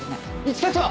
一課長！